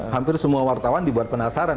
hampir semua wartawan dibuat penasaran